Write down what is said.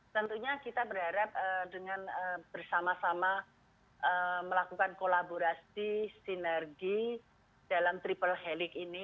tentunya kita berharap dengan bersama sama melakukan kolaborasi sinergi dalam triple helik ini